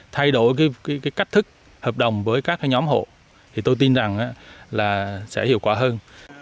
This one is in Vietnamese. thay đổi cách thức hợp đồng với các nhóm hộ thì tôi tin rằng là sẽ hiệu quả hơn